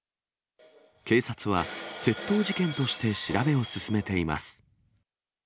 警察は、窃盗事件として調べを進めています。